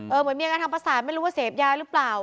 เหมือนมีอาการทางประสาทไม่รู้ว่าเสพยาหรือเปล่า